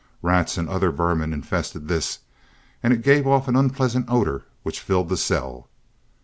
Rats and other vermin infested this, and it gave off an unpleasant odor which filled the cell.